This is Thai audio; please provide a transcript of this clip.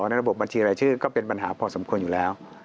ระบบบัญชีรายชื่อก็เป็นปัญหาพอสมควรอยู่แล้ว